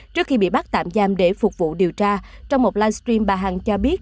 trước khi bị bắt tạm giam để phục vụ điều tra trong một livestream bà hằng cho biết